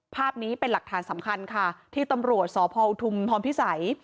ภาพนี้เป็นหลักฐานสำคัญค่ะที่ตำรวจสพอุทุมพรพิสัย